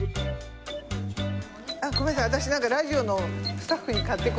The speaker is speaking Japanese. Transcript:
あっごめんなさい。